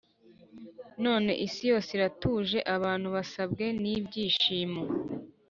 None isi yose iratuje, abantu basabwe n’ibyishimo.